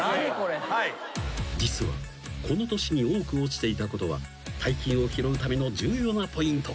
［実はこの年に多く落ちていたことは大金を拾うための重要なポイント］